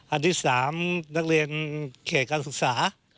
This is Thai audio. อันที่๓นักเรียนเขตการศึกษา